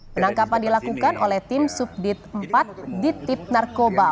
penangkapan dilakukan oleh tim subdit empat di tip narkoba